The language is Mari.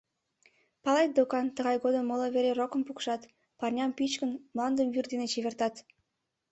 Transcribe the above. — Палет докан, тыгай годым моло вере рокым пукшат, парням пӱчкын, мландым вӱр дене чевертат.